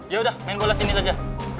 ya udah main bola sini saja